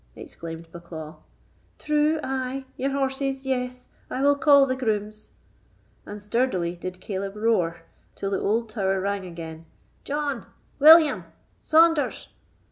exclaimed Bucklaw. "True—ay—your horses—yes—I will call the grooms"; and sturdily did Caleb roar till the old tower rang again: "John—William—Saunders!